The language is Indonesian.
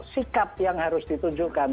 sikap yang harus ditunjukkan